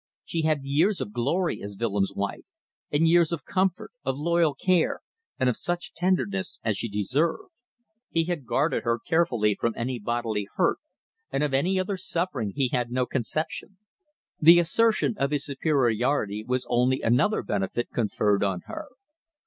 She had years of glory as Willems' wife, and years of comfort, of loyal care, and of such tenderness as she deserved. He had guarded her carefully from any bodily hurt; and of any other suffering he had no conception. The assertion of his superiority was only another benefit conferred on her.